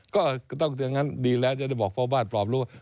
ก็จะต้องอย่างนั้นดีแล้วจะได้บอกพ่อบ้านปลอบรู้ว่า